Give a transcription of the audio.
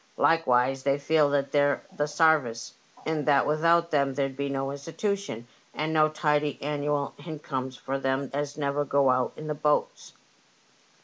Like wise they feel that they're the sarvice, and that without them there'd be no Institution, and no tidy annual hincomes for them as never go out in the boats."